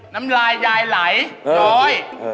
นำยายยายไหลหลอย